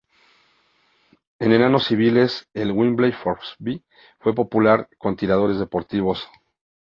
En manos civiles, el Webley-Fosbery fue popular con tiradores deportivos.